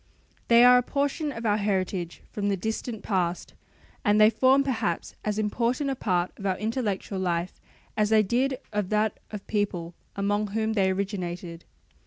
They are a portion of our heritage from the distant past, and they form perhaps as important a part of our intellectual life as they did of that of the people among whom they originated.